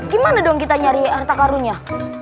gimana dong kita nyari harta karunnya